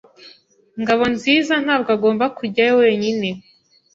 Ngabonzizantabwo agomba kujyayo wenyine.